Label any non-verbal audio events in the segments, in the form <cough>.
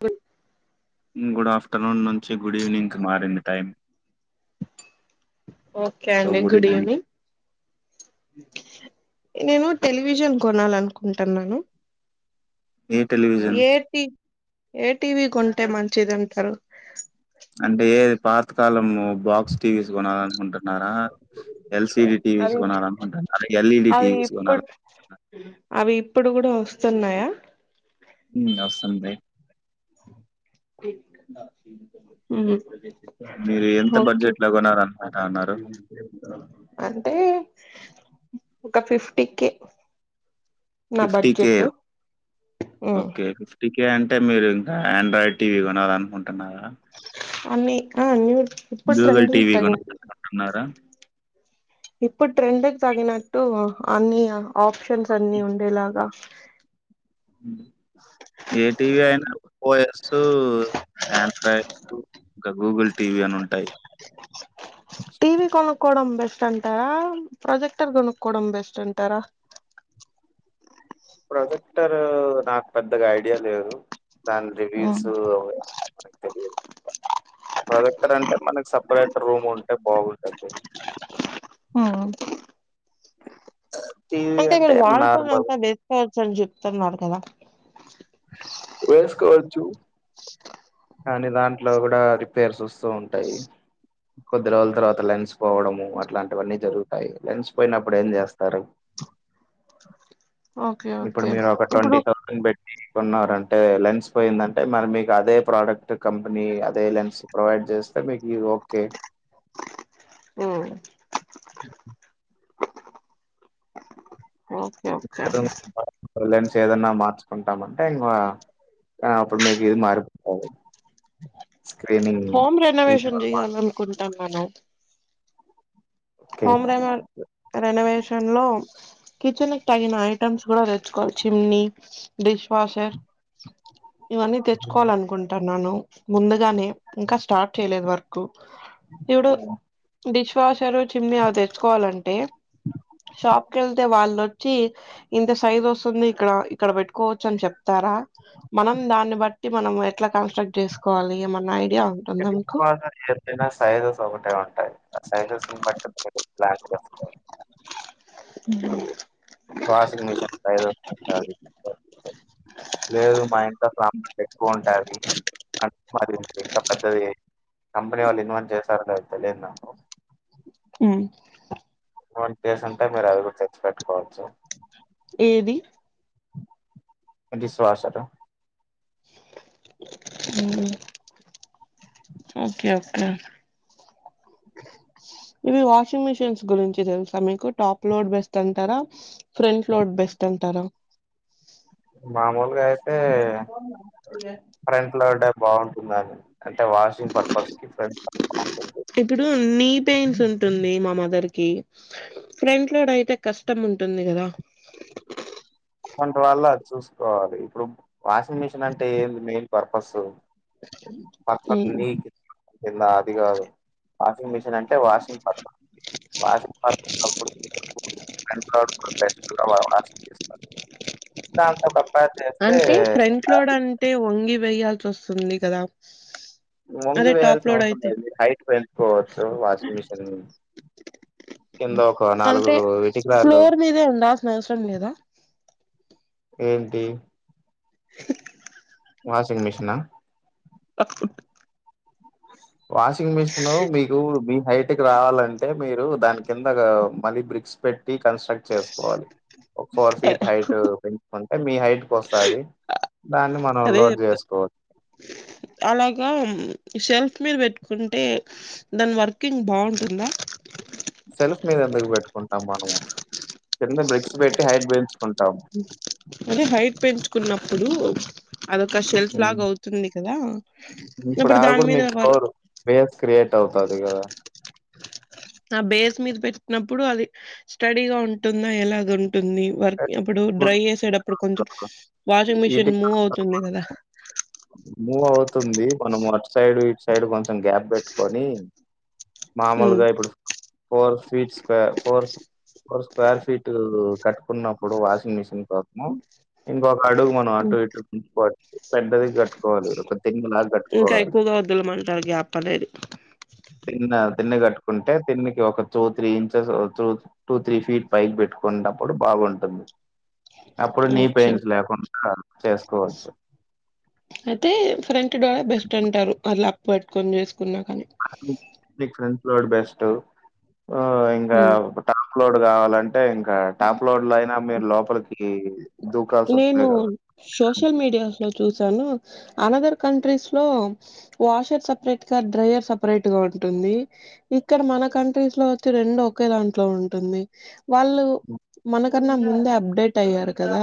వ good afternoon నుంచి good evening కి మారింది టైమ్ ఓకే సో అండి గుడ్ ఈవినింగ్ ఈవెనింగ్ నేను టెలివిజన్ కొనాలనుకుంటున్నాను ఏ టెలివిజన్ ఏటి ఏ టీవీ కొంటే మంచిది అంటారు అంటే పాతకాలము బాక్స్ టీవీస్ కొనాలనుకుంటున్నారా ఎల్సిడి టీవీస్ కొనాలనుకుంటున్నారా ఎల్ఈడి టీవీ ఇప్పుడ్ అవి ఇప్పుడు కూడా వస్తున్నాయా ఉ వస్తుంది ఉ మీరు ఎంత ఓకే బడ్జెట్‌లో కొనాలనుకుంటా ఉన్నారు? అంటే ఒక ఫిఫ్టీ కే నా fifty K budget hmm okay fifty K అంటే మీరు ఇంకా ఆండ్రాయిడ్ టీవీ కొనాల అనుకుంటున్నారా అన్నీ ఆ అన్ని ఇప్పుడు ట్రెండింగ్ టీవీ ట్రెం కొనాలనుకుంటున్నారా? ఇప్పుడు ట్రెండ్కి తగినట్టు అన్ని ఆప్షన్స్ అన్ని ఉండేలాగా ఉ ఏ టీవీ అయినా ఓఎస్ ఆండ్రాయిడ్ ఇంకా గూగుల్ టీవీ అని ఉంటాయి టీవీ కొనడం బెట్ ఎస్ట్ అంటారా ప్రాజెక్టర్ కొనుక్కోవడం బెస్ట్ అంటారా ప్రొజెక్టరు నాకు పెద్దగా ఐడియా లేదు దాన్ని మ్మ్ రివ్యూసు అవన్నీ మనకు తెలియదు ప్రొజెక్టర్ అంటే మనకి సపరేట్ రూమ్ ఉంటే బాగుంటది ఉమ్ స అంటే మీరు వాళ్ళ పనిలు అంతా వేసుకోవచ్చు అని చెప్తున్నారు కదా వేసుకోవచ్చు కానీ దాంట్లో కూడా రిపేర్స్ వస్తూ ఉంటాయి కొద్ది రోజుల తర్వాత లెన్స్ పోవడము అట్లాంటివన్నీ జరుగుతాయి లెన్స్ పోయినప్పుడు ఏం చేస్తారు <inaudible> ఇప్పుడు ఓకే మీరు ఒక ఇప్పుడు ట్వంటీ థౌసండ్ పెట్టి కొన్నారంటే లెన్స్ పోయిందంటే మరి మీకు అదే ప్రోడక్ట్ కంపెనీ అదే లెన్స్ ప్రొవైడ్ చేస్ త మీకీ ఓకే ఉమ్ <inaudible> ఓకే ఏదో అండి మీరు బాలేదు అని లెన్స్ ఏదన్నా మార్చుకుంటామ అంటే ఇంకా కానీ అప్పుడు మీకీ ఇది మారిపోతాది స్క్రీనింగ్ హోమ్ రెనోవేషన్ విజువల్ మాత్రమే చేయాలనుకుంటున్నాను ఓకే హోమ్ రెన్యువల్ రెనోవేషన్ లో కిచెన్ కి తగిన ఐటమ్స్ కూడా తెచ్చుకోవచ్చు చిమిని డిష్ వాషర్ ఇవన్నీ తెచ్చుకోవాల అనుకుంటాన్నాను ముందుగానే ఇంకా స్టార్ట్ చేయలేదు వర్క్ ఇప్పుడు డిష్ వాషరు చిమిని అవి తెచ్చుకోవాలంటే షాప్ కి వెళ్తే వాళ్లొచ్చి ఇంత సైజ్ వస్తుంది ఇక్కడ ఇక్కడ పెట్టుకోవచ్చు అని చెప్తా రా మనం దాన్ని బట్టి మనం ఎట్లా కంస్ట్రక్ట్ చేసుకోవాలి ఏమన్నా ఐ ఇంక బిగ్ బాడీ <unintelligible> ఏదైనా సైజస్ ఒకటే ఉంటాయి ఆ సైజస్ని బట్ ట్రిప్కి ప్లాన్ చేసుకోవాలి హుం వాషింగ్ మిషన్ సైజెస్ ఉంటాది లేదు మా ఇంట్లో సామాన్లు ఎక్కువ ఉంటాది అంటే మాది ఇంకా పెద్దది కంపెనీ వాళ్ళు ఇన్వెస్ట్ చేశారో లేదొ తెలియదు నాకు ఉ వంట చేసి ఉంటే మీరు అది కూడా తెచ్చి పెట్టుకోవచ్చు ఏది డిష్ వాష్రూ ఉ ఉమ్ ఓకే ఓకే ఇవి వాషింగ్ మిషిన్స్ గురించి తెలుస్తా మీకు టాప్ లోడ్ బెస్ట్ అంటారా ఫ్రంట్ లోడ్ బెస్ట్ అంటారా మామూలుగా అయితే ఫ్రంట్ లోడే బాగుంటుందా అని అంటే వాషింగ్ పర్పస్ కి ఇప్పుడు నీ పెయిన్స్ ఉంటుంది మా మదర్ కి ఫ్రెంట్ లో అయితే కష్టం ఉంటుంది కదా <inaudible> అటు వాంటి వాళ్ళు అది చూసుకోవాలి ఇప్పుడు వాషింగ్ మిషిన్ అంటే ఏంది మెయిన్ పర్పస్ <unintelligible> ఉమ్ ఉంది ఇట్లా అది కాదు వాషింగ్ మిషన్ అంటే వాషింగ్ పర్పస్ వాషింగ్ పర్పస్ కూడా బెస్ట్గాస్తారు దాంతో పాటు అంటే ఫ్రంట్ లోడ్ అంటే వంగి వేయాల్సి వస్తుంది కదా వంగి అదే టాప్ వేయాల్సిన లోడ్ అవసరం అయితే లేదండి హైట్ పెంచుకోవచ్చు వాషింగ్ మిషిన్ కింద ఒక నాలుగు అంటే ఇటికరాళ్ళు ఫ్లోర్ మీదే ఉండాల్సిన అవసరం లేదా ఏంటి వాషింగ్ మిషనా కు <inaudible> వాషింగ్ మిషిన్ మీకు మీ హైట్ కి రావాలంటే మీరు దాని కింద మళ్ళీ బ్రిక్స్ పెట్ రీకన్స్ట్రక్ట్ చేసుకోవాలి ఒక ఫోర్ ఫీట్ హైట్ పెంచుకొని అండ్ మీ హైట్ కి వస్తాది అదే చెప్తా అలాగా షెల్ఫ్ షెల్ఫ్ మీద పెట్టుకుంటే దాని వర్కింగ్ బాగుంటుందా సెల్ఫ్ మీద ఎందుకు పెట్టుకుంటాం మనము కింద బ్రిక్స్ పెట్టి హైట్ పెంచు అదే హైట్ పెంచుకున్నప్పుడు అదొక షెల్ఫ్ హ్మ్. లాగ అవుతుంది కదా అప్పుడు దాని మీద వారు క్రియట్ అవుతంది గదా ఆ బేస్ మీద పెట్టి అప్పుడు అది స్టడీగా ఉంటుందా ఎలాగ ఉంటుంది వర్క్ అప్పుడు డ్రై చేసేటప్పుడు కొంచెం వాషింగ్ మిషిన్ ఈటికి మూవ్ అవుతుంది కదా మూవ్ అవుతుంది మనం అటు సైడు ఇటు సైడ్ కొంచెం గ్యాప్ పెట్టుకొని ఉమ్. మామూలుగా ఇప్పుడు four feet square four four square feet కట్టుకున్నప్పుడు వాషింగ్ మిషిన్ కోసం ఇంకొక అడుగు మనం అటు ఇటు చూసుకోవచ్చు పెద్దది కట్టుకు ఇంకా ఎక్కువగా వదులమంటారు గ్యాప్ అనేది తిన్న తిన్న కట్టుకుంటే తిన్నికి ఒక two three inches two three feet పైకి పెట్టుకునేప్పుడు బాగ బాగా ఉంటుంది అప్పుడు నీ ఓకే పెయిన్స్ లేకుండా చేసుకోవచ్చు అయితే ఫ్రెంట్ డోర్ ఏ బెస్ట్ అంటారు అలా పట్టుకొని చేసుకున్నా కాని నీకు ఫ్రంట్ లోడ్ బెస్ట్ ఇంకా హ్మ్. టాప్ లోడ్ కావాలంటే అంటే ఇంకా టాప్ లోడ్ లో అయినా మీరు లోపలికి దూకాల్సి నేను వస్తుంది సోషల్ మీడియాస్ లో చూసి అనదర్ కంట్రీస్ లో వాషర్ సపరేట్ గా డ్రయర్ సపరేట్ గా ఉంటుంది కానీ ఇక్కడ మన కంట్రీస్ లో వచ్చి రెండు ఒకే దాంట్లో ఉంటుంది హు వాళ్ళు కదా మనకన్నా ముందే అప్డేట్ అయ్యారు కదా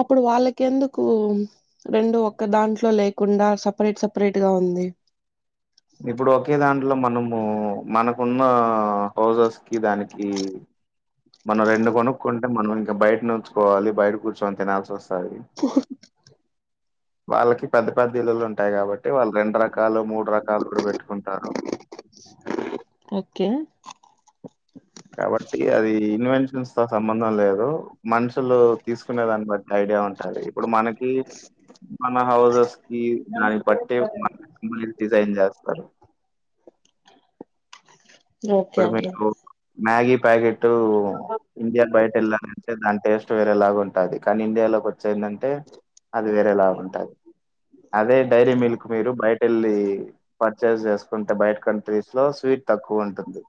అప్పుడు వాళ్ళకి ఎందుకు రెండు ఒక్క దాంట్లో లేకుండా సపరేట్ సపరేట్ గా ఉంది <inaudible> ఇప్పుడు ఒకే దాంట్లో మనము మనకున్న హౌసెస్ కి దానికి మనం రెండు కొనుక్కుంటే మనం ఇంకా బయట నిల్చుకోవాలి కూర్చొని తినాల్సి వస్తుంది ఉంటాయి వాళ్ళకి పెద్ద పెద్ద ఇల్లులు ఉంటాయి కాబట్టి అంటే వాళ్ళు రెండు రకాలు మూడు రకాలు కూడా పెట్టుకుంటారు ఓకే. కాబట్టి అది ఇన్వెన్షన్స్ తో సంబంధం లేదు మనుషులు తీసుకునే దాన్ని బట్టి ఐడియా ఉంటుంది ఇప్పుడు మనకి మన హౌసెస్ కి దాన్ని బట్టే మన డిజైన్ చేస్తారు <inaudible> <unintelligible> ఓకే ఇప్పుడు అండి మీకు మ్యాగీ ప్యాకెట్ ఇండియాన్ బయట వెళ్ళాలంటే దాని టేస్ట్ వేరేలాగా ఉంటది కానీ ఇండియాలో చ్చయిందంటే అది వేరేలాగా ఉంటది అదే డైరీ మిల్క్ మీరు బ్రయటెళ్ళి పర్చేస్ చేసుకుంటే బయట కంట్రీస్ లో స్వీట్ తక్కువ ఉంటుంది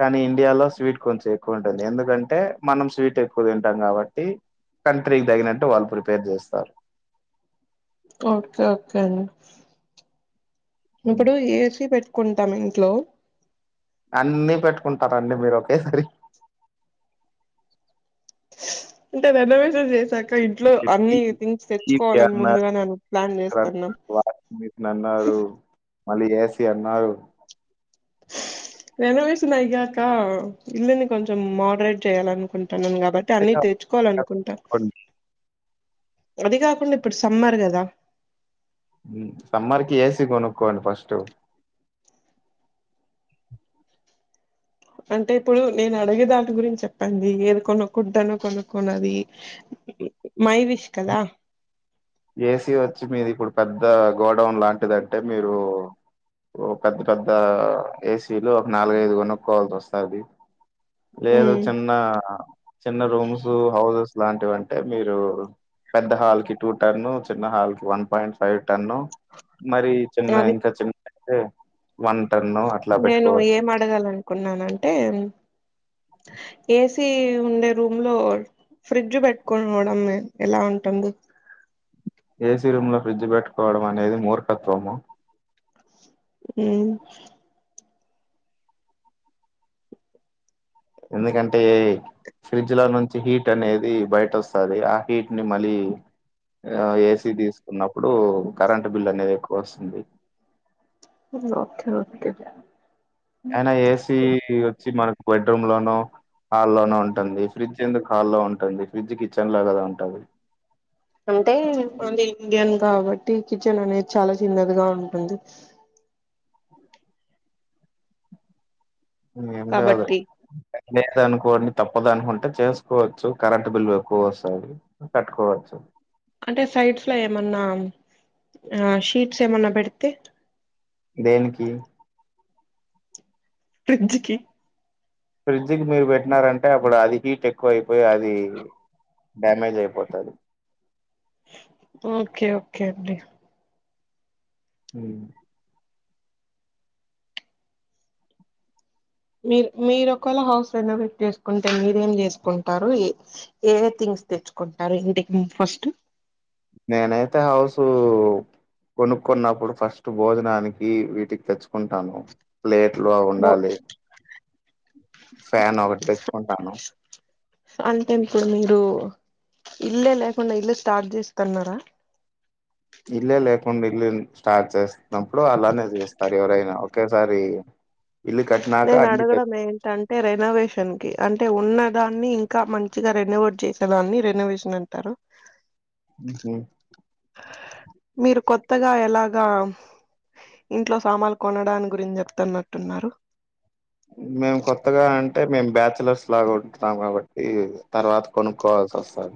కానీ ఇండియాలో స్వీట్ కొంచెం ఎక్కువ ఉంటుంది ఎందుకంటే మనం స్వీట్ ఎక్కువ తింటాం కాబట్టి కంట్రీకి తగినట్టు వాళ్ళు ప్రిపేర్ చేస్తారు ఓకే ఓకే అండీ ఉమ్. ఇప్పుడు ఏసి పెట్ కుంటాం ఇంట్లో అన్ని పెట్టుకుంటారండి మీరు ఒకేసారి ఇంటే బేబమే చేసా ఇంకా ఇంట్లో అన్ని థింగ్స్ టీవీ తెచ్చుకోవాలని అన్నారు ముందుగా ఆన్ ప్లాన్ చేస్తన్నం వాషింగ్ మిషిన్ అన్నారు మళ్ళీ ఏసీ అన్నారు రేనోవేషన్ అయ్యాక ఇల్లుని కొంచెం మోడరేట్ చేయాలనుకుం టనం కాబట్టి అన్ని తెచుకోవాల అనుకుంటా అది కాకుండా ఇప్పుడు సమ్మర్ గదా ఉ సమ్మర్ కి ఏసి కొనుక్కోండి ఫస్ట్ అంటే ఇప్పుడు నేను అడిగే దాని గురించి చెప్పండి ఏది కొనుకుడాదనో కొనుకున్నది మై విష్ కదా ఏసీ వచ్చి మీది ఇప్పుడు పెద్ద గోడౌన్ లాంటిదంటే మీరు ఓ పెద్ద పెద్ద ఏసీలు ఒక నాలుగ ఐదు కొనుక్కోవాల్సి వస్తాది లేదు ఉమ్ చిన్న చిన్న రూమ్స్ హౌసెస్ ఇలాంటివి అంటే మీరు పెద్ద హాల్ కి టూ టర్న్ చిన్న హాల్ కి వన్ పాయింట్ ఫైవ్ టన్ను మరి చిన్న అది ఇంకా చిన్నయితే వన్ టన్ను అట్లా నేను పెట్టుకోవచ్చు ఏం అడగాలనుకున్నాన అంటే ఏస్ సి ఉండే రూమ్ లో ఫ్రిడ్జ్ పెట్టుకోనవడం ఎలా అంటుంది ఏసీ రూమ్ లో ఫ్రిడ్జ్ పెట్టుకోవడం అనేది మూర్ఖత్వము ఊ ఎందుకంటే ఫ్రిడ్జ్ లో నుంచి హీట్ అనేది బయట వస్తది ఆ హీట్ ని మళ్ళీ ఏసి తీసుకున్నప్పుడు కరెంట్ బిల్ అనేది ఎక్కువ వస్తుంది ఓకే ఓకే జ అయినా ఏసీ వచ్చి మనకు బెడ్రూమ్ లోనో హాల్లోన ఉంటుంది ఫ్రిడ్జ్ జ్ ఎందుకు హాల్లో ఉంటుంది ఫ్రిడ్జ్ కిచెన్ లా కదా ఉంటాది అంటే ఇండియన్ కాబట్టి కిచెన్ అనేది చాలా చిన్నదిగా ఉంటుంది అవును ఏం కాదులే కాబట్టి ఇండియా అనుకోండి తప్పద అనుకుంటు అంటే చేసుకోవచ్చు కరెంటు బిల్లు ఎక్కువ వస్తది కట్టుకోవచ్చు అంటే సైడ్స్ ల ఏమన్నా ఆ షీట్స్ ఏమన్నా పెడితే దేనికి ఫ్రిడ్జ్ కి ఫ్రిడ్జ్కి మీరు పెట్టినారంటే అప్పుడు అది హీట్ ఎక్కువ అయిపోయి అది డ్యామేజ్ అయిపోతది ఓకే ఓకే అండి ఊ మీరు మీరు ఒకేళ హౌస్ రేనోవేట్ చేసుకుంటే మీరేం చేసుకుంటారు ఏ ఏ ఏ థింగ్ థింగ్స్ తెచ్చుకుంటారు ఇంటికి మీరు ఫస్టు నేనయితే హౌసూ కొనుక్న్నప్పుడు ఫస్ట్ భోజనానికి వీటికి తెచ్చుకుంటాను ప్లేన్ ఇంట్లో బో ఉండాలి ఫ్యాన్ ఒకటి తెచ్చుకుంటాను <inaudible> ఇల్లే లేకుండా ఇల్లు స్టార్ట్ చేస్తాం కదా ఇల్లే లేకుండా ఇల్లు స్టార్ట్ చేస్తున్నప్పుడు అలానే చేస్తారు ఎవరైనా ఒకేసారి ఇల్లు కట్టినాక నేన్ అన్ని తెచ్చు- అడగడం ఏంటంటే అంటే రెనోవేషన్ కి అంటే ఉన్నదాన్ని ఇంకా మంచిగా రెనోవేట్ చేసేదాన్ని రెనోవేషన్ అంటారు హ <inaudible> మీరు కొత్తగా ఎలాగా ఇంట్లో సమన్లు కొనడానికి గురించి చెప్తన్నట్టున్నారు మేము కొత్తగా అంటే మేము బ్యాచలర్స్ లాగా ఉంటున్నాం కాబట్టి తర్వాత కొను కాల్స్ వస్తారు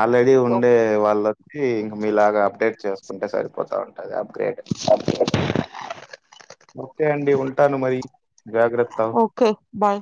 ఆల్రెడీ ఉండే వాళ్ళొచ్చి ఇంక మీలాగా అప్డేట్ చేస్తారు ఉంటెసారిపోతా అ అప్గ్రేట్ ఓకే అండి ఉంటాను మరి జాగ్రత్త ఓకే బాయ్